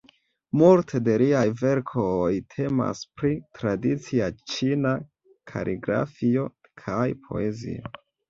Multe de liaj verkoj temas pri tradicia ĉina kaligrafio kaj poezio.